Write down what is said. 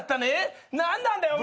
何なんだよ！？